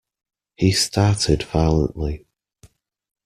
He started violently.